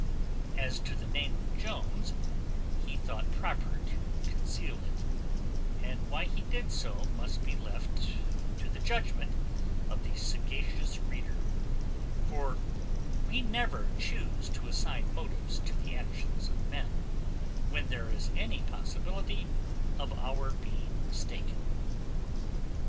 As to the name of Jones, he thought proper to conceal it, and why he did so must be left to the judgment of the sagacious reader; for we never chuse to assign motives to the actions of men, when there is any possibility of our being mistaken.